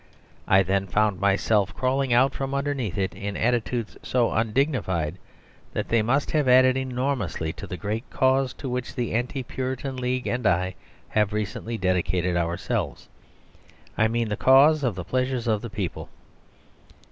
I then found myself crawling out from underneath it in attitudes so undignified that they must have added enormously to that great cause to which the Anti Puritan League and I have recently dedicated ourselves. I mean the cause of the pleasures of the people.